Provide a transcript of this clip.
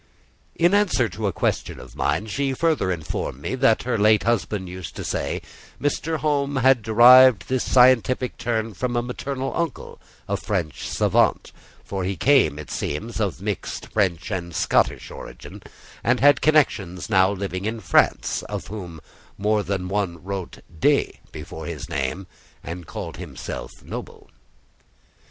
In answer to a question of mine, she further informed me that her late husband used to say, Mr. Home had derived this scientific turn from a maternal uncle, a French savant; for he came, it seems; of mixed French and Scottish origin, and had connections now living in France, of whom more than one wrote de before his name, and called himself noble.